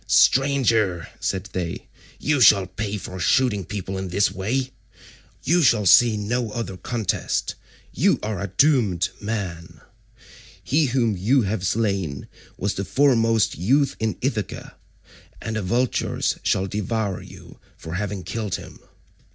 "Stranger," said they, "you shall pay for shooting people in this way: you shall see no other contest; you are a doomed man; he whom you have slain was the foremost youth in Ithaca, and the vultures shall devour you for having killed him."